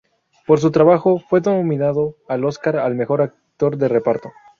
Por su trabajo fue nominado al Oscar al mejor actor de reparto.